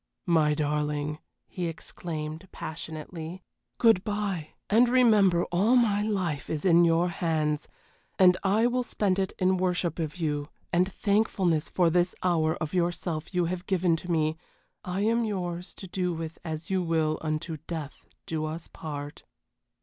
"My darling," he exclaimed, passionately, "good bye, and remember all my life is in your hands, and I will spend it in worship of you and thankfulness for this hour of yourself you have given to me. I am yours to do with as you will until death do us part."